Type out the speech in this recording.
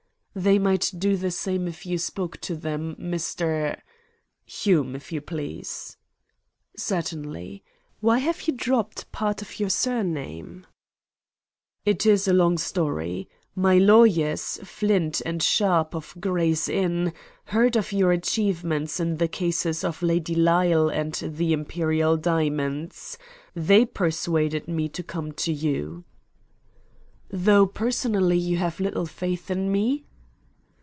"They might do the same if you spoke to them, Mr. " "Hume, if you please." "Certainly. Why have you dropped part of your surname?" "It is a long story. My lawyers, Flint & Sharp, of Gray's Inn, heard of your achievements in the cases of Lady Lyle and the Imperial Diamonds. They persuaded me to come to you." "Though, personally, you have little faith in me?"